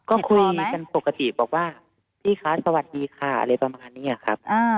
ก็คุยกันปกติบอกว่าพี่คะสวัสดีค่ะอะไรประมาณนี้ครับ